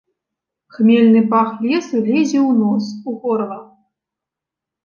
Хмельны пах лесу лезе ў нос, у горла.